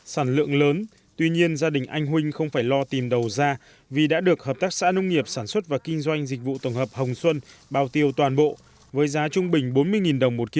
sản lượng lớn tuy nhiên gia đình anh huynh không phải lo tìm đầu ra vì đã được hợp tác xã nông nghiệp sản xuất và kinh doanh dịch vụ tổng hợp hồng xuân bào tiêu toàn bộ với giá trung bình bốn mươi đồng một kg